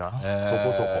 そこそこ。